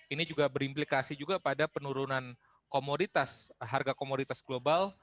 ini juga berimplikasi juga pada penurunan komoditas harga komoditas global